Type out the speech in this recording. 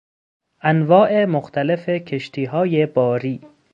انواع مختلف کشتیهای باری